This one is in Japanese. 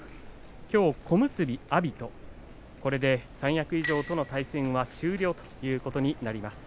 きょう、小結阿炎とこれで三役以上との対戦は終了ということになります。